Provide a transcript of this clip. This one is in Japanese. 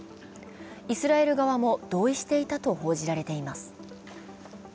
イスラエル側も同意していたと報じられています。